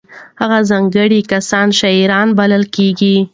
هغه ځانګړي کسان شاعران بلل کېږي.